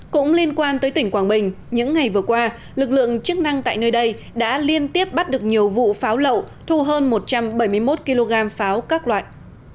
cũng liên quan tới tỉnh quảng bình những ngày vừa qua lực lượng chức năng tại nơi đây đã liên tiếp bắt được nhiều vụ pháo lậu thu hơn một trăm bảy mươi một kg pháo các loại